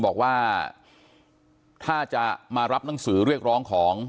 บอกว่าถ้าจะมารับหนังสือเรียกร้องของ